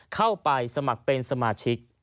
เข้าไปสมัครเป็นสมาชิก